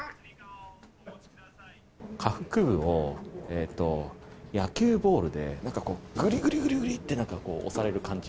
下腹部を野球ボールでなんかこう、ぐりぐりぐりぐりって、なんかこう、押される感じ。